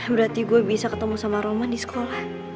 berarti gue bisa ketemu sama roman di sekolah